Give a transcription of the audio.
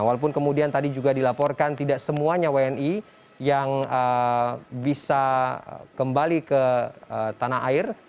walaupun kemudian tadi juga dilaporkan tidak semuanya wni yang bisa kembali ke tanah air